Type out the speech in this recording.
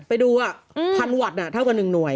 ไปดู๑๐๐วัตต์เท่ากับ๑หน่วย